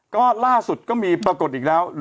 ก็ล่าสุดก็มีปรากฏอีกแล้ว